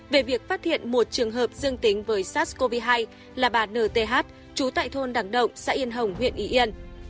về việc phát hiện một trường hợp dương tính với sars cov hai là bà nth trú tại thôn đảng động xã yên hồng huyện y yên